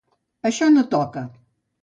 Això no toca.